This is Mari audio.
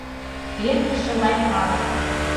Эртыше лай пагыт.